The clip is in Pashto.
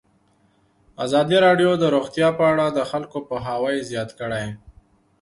ازادي راډیو د روغتیا په اړه د خلکو پوهاوی زیات کړی.